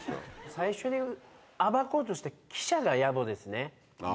最初に暴こうとした記者がやぼですね。